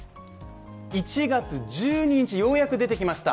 １月１２日ようやく出てきました